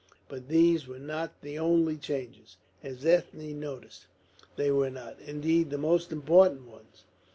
But these were not the only changes, as Ethne noticed; they were not, indeed, the most important ones.